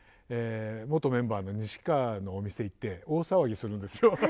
元メンバーの西川のお店行って大騒ぎするんですよ。